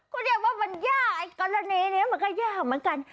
ก็เดี๋ยวว่ามันยากอย่างคราวนี้มันก็ยากเหมือนกัน